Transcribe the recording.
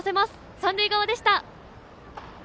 三塁側でした。